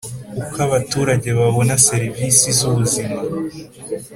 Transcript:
Uko abaturage babona serivisi z ubuzima